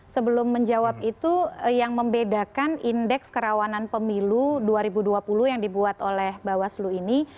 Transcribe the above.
sebelum menjawab itu yang membedakan indeks kerawanan pemilu dua ribu dua puluh yang dibuat oleh bawaslu ini